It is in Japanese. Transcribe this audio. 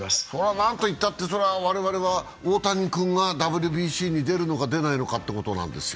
何といったって、我々は大谷君がＷＢＣに出るのか、出ないのかということなんですよ。